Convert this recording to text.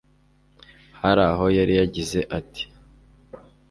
hari aho yari yagize ati